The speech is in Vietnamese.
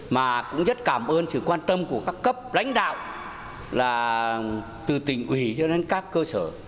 mà cũng rất cảm ơn sự quan tâm của các cấp lãnh đạo là từ tỉnh ủy cho đến các cơ sở